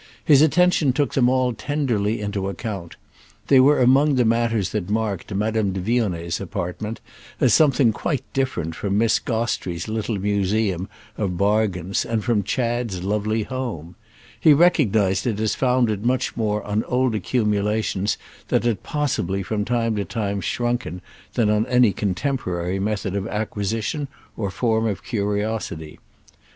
His attention took them all tenderly into account. They were among the matters that marked Madame de Vionnet's apartment as something quite different from Miss Gostrey's little museum of bargains and from Chad's lovely home; he recognised it as founded much more on old accumulations that had possibly from time to time shrunken than on any contemporary method of acquisition or form of curiosity.